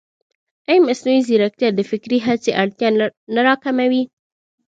ایا مصنوعي ځیرکتیا د فکري هڅې اړتیا نه راکموي؟